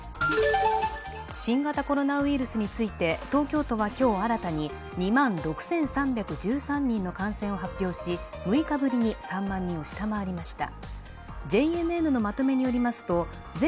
新型コロナウイルスについて東京都は今日新たに２万６３１３人の感染を発表し６日ぶりに３万人を下回りました。